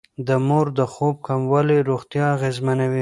د مور د خوب کموالی روغتيا اغېزمنوي.